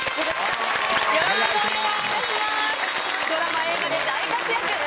ドラマ映画で大活躍